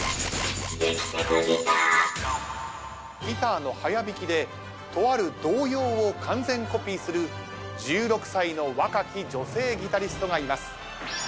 ギターの速弾きでとある童謡を完全コピーする１６歳の若き女性ギタリストがいます。